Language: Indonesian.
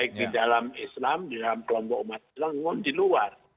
kelompok umat kita ngomong di luar